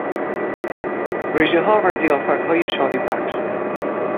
رژهها و ضیافتهای شادیبخش